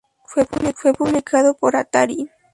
Fue publicado por Atari.